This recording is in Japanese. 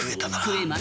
食えます。